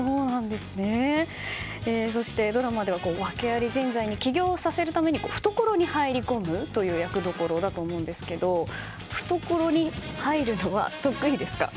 そしてドラマでは訳アリ人材に起業させるために懐に入り込むという役どころだと思うんですが懐に入るのは、得意ですか？